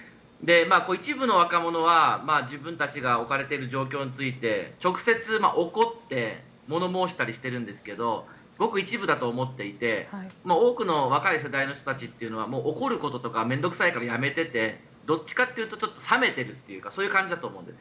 一部の若者は、自分たちが置かれている状況について直接怒って物を申したりしているんですがごく一部だと思っていて多くの若い世代の人たちは怒ることとかもう面倒臭いからやめていてどっちかというと冷めているというかそういう感じだと思うんです。